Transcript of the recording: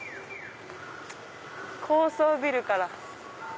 高層ビルから。